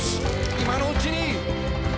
今のうちに」